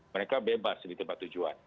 mereka bebas di tempat tujuan